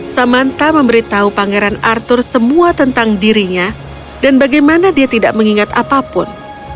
samanta memberitahu pangeran arthur semua tentang dirinya dan bagaimana dia tidak mengingat apapun